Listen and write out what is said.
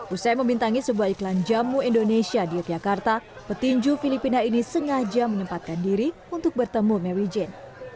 usai membintangi sebuah iklan jamu indonesia di yogyakarta petinju filipina ini sengaja menyempatkan diri untuk bertemu mary jane